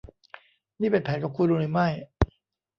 นี่เป็นแผนของคุณหรือไม่